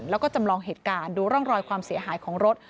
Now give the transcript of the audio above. แล้วก็จำลองเหตุการณ์ดูร่องรอยความเสียหายของรถ